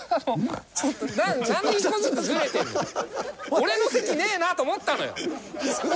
俺の席ねえなと思ったのよ。